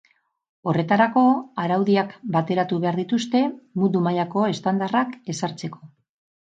Horretarako, araudiak bateratu behar dituzte, mundu mailako estandarrak ezartzeko.